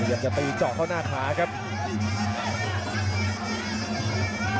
สวัสดิ์นุ่มสตึกชัยโลธสวัสดิ์